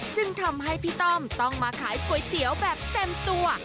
จึงทำให้พี่ต้อมต้องมาขายก๋วยเตี๋ยวแบบเต็มตัว